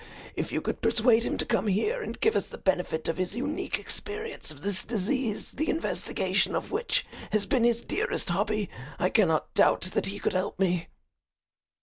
If you could persuade him to come here and give us the benefit of his unique experience of this disease, the investigation of which has been his dearest hobby, I cannot doubt that he could help me."